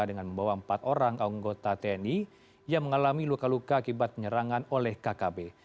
dengan membawa empat orang anggota tni yang mengalami luka luka akibat penyerangan oleh kkb